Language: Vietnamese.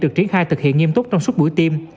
được triển khai thực hiện nghiêm túc trong suốt buổi tiêm